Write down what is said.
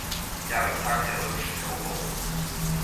Jahrestag der römischen Eroberung.